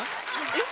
えっ？